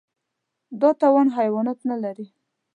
دا توان حیوانات نهلري.